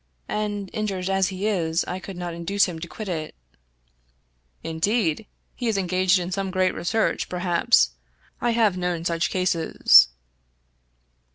And, injured as he is, I could not induce him to quit it." " Indeed I He is engaged in some great research, per haps ? I have known such cases."